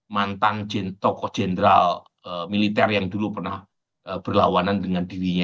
mantan tokoh jenderal militer yang dulu pernah berlawanan dengan dirinya